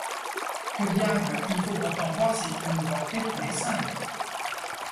Que diable ! il faut pourtant voir s’il peut nous porter tous les cinq !